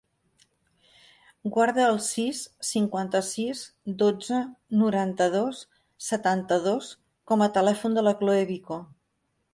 Guarda el sis, cinquanta-sis, dotze, noranta-dos, setanta-dos com a telèfon de la Khloe Vico.